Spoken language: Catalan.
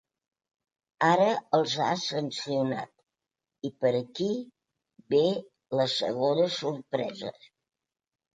Ara els ha sancionat i per aquí ve la segona sorpresa.